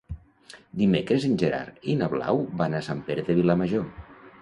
Dimecres en Gerard i na Blau van a Sant Pere de Vilamajor.